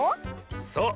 そう。